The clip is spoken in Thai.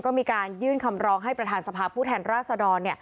ก็มีการยื่นคำร้องให้ประธานสภาพผู้แทนราชดร